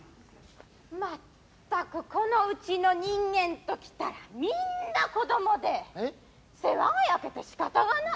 全くこのうちの人間と来たらみんな子供で世話が焼けてしかたがない。